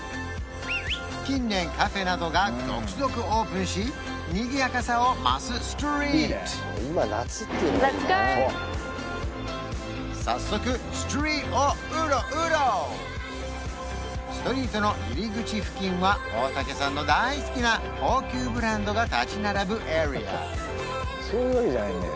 近年カフェなどが続々オープンしにぎやかさを増すストリート早速ストリートの入り口付近は大竹さんの大好きな高級ブランドが立ち並ぶエリアそういうわけじゃないんだよ